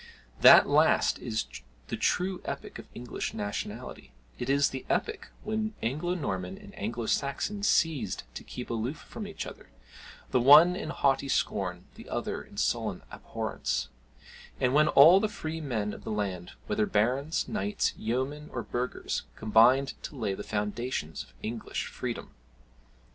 That last is the true epoch of English nationality: it is the epoch when Anglo Norman and Anglo Saxon ceased to keep aloof from each other, the one in haughty scorn, the other in sullen abhorrence; and when all the free men of the land; whether barons, knights, yeomen, or burghers, combined to lay the foundations of English freedom.